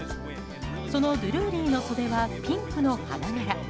そのドゥルーリーの袖はピンクの花柄。